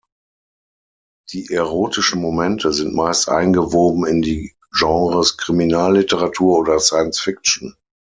Die erotischen Momente sind meist eingewoben in die Genres Kriminalliteratur oder Science-Fiction.